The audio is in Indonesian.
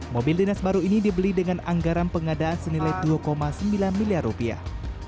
mobil dinas baru ini dibeli dengan anggaran pengadaan senilai dua sembilan miliar rupiah